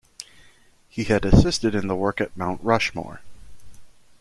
He had assisted in the work at Mount Rushmore.